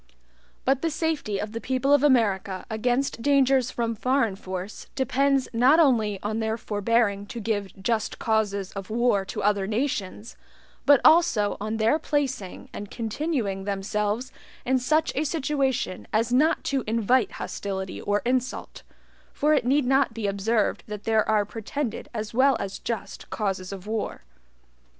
But the safety of the people of America against dangers from FOREIGN force depends not only on their forbearing to give JUST causes of war to other nations, but also on their placing and continuing themselves in such a situation as not to INVITE hostility or insult; for it need not be observed that there are PRETENDED as well as just causes of war.